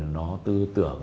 nó tư tưởng